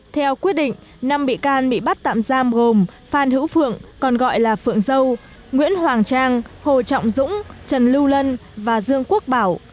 theo quyết định năm bị can bị bắt tạm giam gồm phan hữu phượng còn gọi là phượng dâu nguyễn hoàng trang hồ trọng dũng trần lưu lân và dương quốc bảo